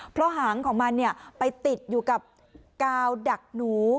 เพราะหางของมันไปติดอยู่กับกาวดักหนู